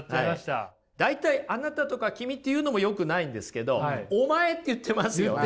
大体「あなた」とか「君」って言うのもよくないんですけど「お前」って言ってますよね？